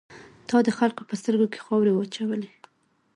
تا د خلکو په سترګو کې خاورې واچولې.